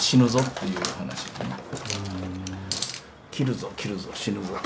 切るぞ切るぞ死ぬぞ。